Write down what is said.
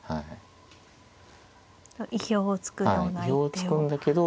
意表をつくような一手を。